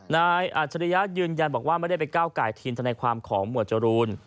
นายอาจารยะยืนยันบอกว่าไม่ได้ไปก้าวไก่ทีนแต่ในความขอหมวดจรูน